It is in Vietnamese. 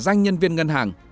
giả danh nhân viên ngân hàng